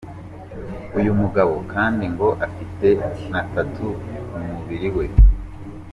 Uyu mugabo kandi ngo afite na tattoo ku mubiri we.